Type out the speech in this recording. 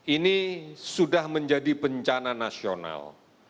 ini sudah menjadi bencana nasional